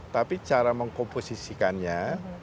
tapi cara mengkomposisikannya